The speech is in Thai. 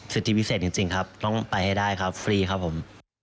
สิทธิพิเศษจริงครับต้องไปให้ได้ครับฟรีครับผม